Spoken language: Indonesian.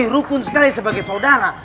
rukun sekali sebagai saudara